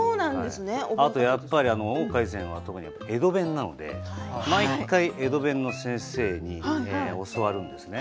あとやっぱり「大岡越前」は江戸弁なので毎回、江戸弁の先生に教わるんですね。